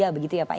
begitu ya pak